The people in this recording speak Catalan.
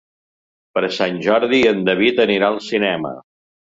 Per Sant Jordi en David anirà al cinema.